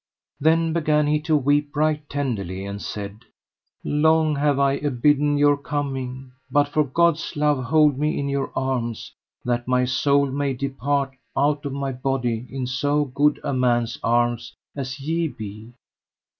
Then began he to weep right tenderly, and said: Long have I abiden your coming, but for God's love hold me in your arms, that my soul may depart out of my body in so good a man's arms as ye be.